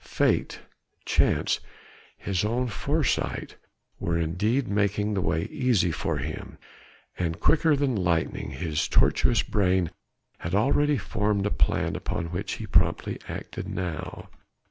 Fate, chance, his own foresight, were indeed making the way easy for him, and quicker than lightning his tortuous brain had already formed a plan upon which he promptly acted now.